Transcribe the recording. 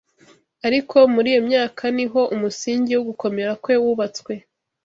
ariko muri iyo myaka ni ho umusingi wo gukomera kwe wubatswe.